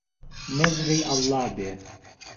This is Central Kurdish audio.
نهزری ئهڵڵا بێ